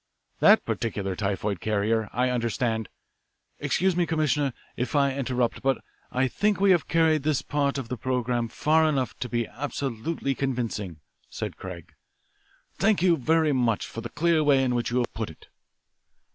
That particular typhoid carrier, I understand " "Excuse me, Commissioner, if I interrupt, but I think we have carried this part of the programme far enough to be absolutely convincing," said Craig. "Thank you very much for the clear way in which you have put it."